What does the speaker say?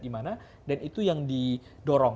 di mana dan itu yang didorong